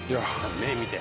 目見て！